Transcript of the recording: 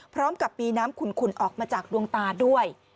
พร้อมกับมีน้ำขุนออกมาจากดวงตาด้วย